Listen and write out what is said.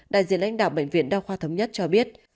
đại diện lãnh đạo bệnh viện đa khoa thống nhất cho biết